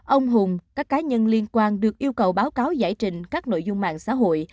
ông hùng các cá nhân liên quan được yêu cầu báo cáo giải trình các nội dung mạng xã hội